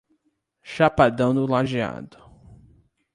Chapadão do Lageado